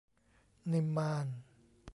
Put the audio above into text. นิมมาน